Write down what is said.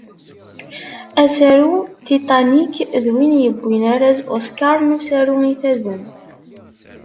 Asaru Titanic d win yewwin arraz Oscar n usaru ifazen.